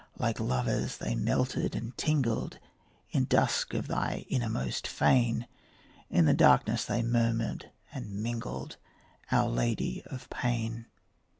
Like lovers they melted and tingled, In the dusk of thine innermost fane; In the darkness they murmured and mingled, Our Lady of Pain.